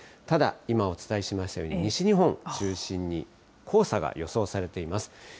ただ、今お伝えしましたように、西日本を中心に黄砂が予想されています。